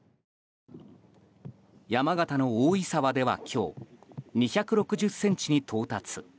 山形の大井沢では今日２６０ｃｍに到達。